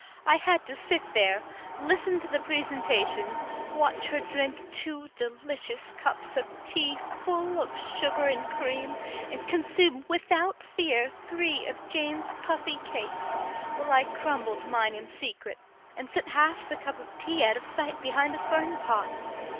I had to sit there, listen to the presentations, watch her drink two delicious cups of tea full of sugar and cream, and consume without fear three of Jane's puffy cakes, while I crumbled mine in secret and set half the cup of tea out of sight behind a fern pot.